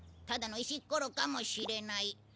ただの石っころかもしれない。